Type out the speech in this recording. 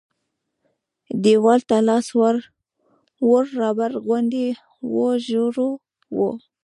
دیوال ته لاس ور ووړ رابر غوندې و ژور و.